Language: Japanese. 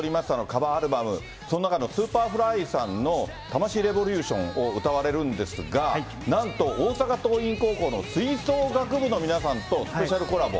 カバーアルバム、その中のスーパーフライさんのタマシイレボリューションを歌われるんですが、なんと、大阪桐蔭高校の吹奏楽部の皆さんとスペシャルコラボ。